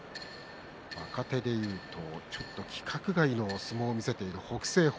若手でいうと規格外の相撲を見せている北青鵬